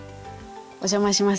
お邪魔します。